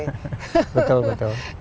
ya betul betul